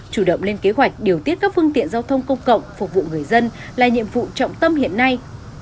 chủ động lên kế hoạch điều tiết các phương tiện giao thông công cộng phục vụ người dân là nhiệm vụ trọng tâm hiện nay